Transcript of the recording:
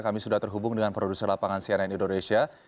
kami sudah terhubung dengan produser lapangan cnn indonesia